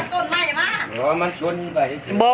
เฮ้ยเห้ยเห้ยเห้ยเห้ยเห้ยเห้ยเห้ยเห้ยเห้ยเห้ย